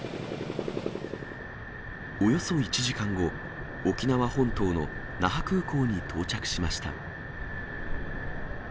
およそ１時間後、沖縄本島の那覇空港に到着しました。